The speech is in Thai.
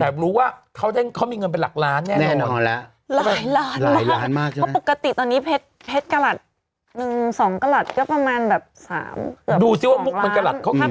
แต่รู้ว่าเขามีเงินเป็นหลักล้านแน่นอน